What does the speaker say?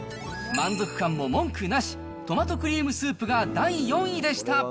満足感も文句なし、トマトクリームスープが第４位でした。